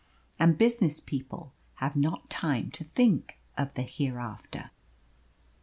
And business people have not time to think of the hereafter.